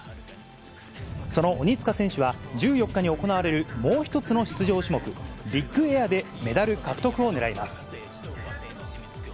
その鬼塚選手は、１４日に行われるもう一つの出場種目、ビッグエアでメダル獲得をねらいます。